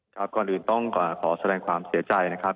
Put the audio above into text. ก่อนอื่นต้องขอแสดงความเสียใจนะครับ